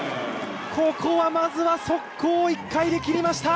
ここはまずは速攻、１回で切りました！